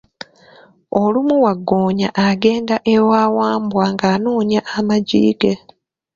Olumu Waggoonya agenda ewa Wambwa nga anoonya amaggi ge.